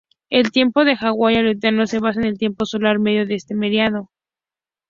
El Tiempo de Hawái-Aleutiano se basa en el tiempo solar medio de este meridiano.